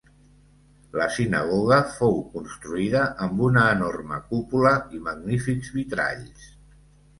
La sinagoga fou construïda amb una enorme cúpula i magnífics vitralls.